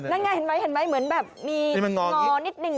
นั่นไงเห็นไหมเห็นไหมเหมือนแบบมีงอนิดนึง